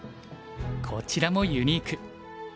こちらもユニーク。